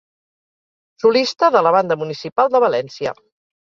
Solista de la Banda Municipal de València.